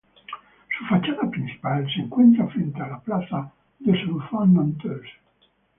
Su fachada principal se encuentra frente a la plaza des Enfants-Nantais.